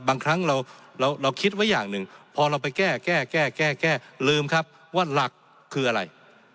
บางครั้งเราคิดไว้อย่างหนึ่งพอเราไปแก้แก้แก้แก้ลืมครับว่าหลักคืออะไร